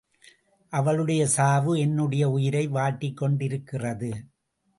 அவளுடைய சாவு என்னுடைய உயிரை வாட்டிக்கொண்டிருக்கிறது.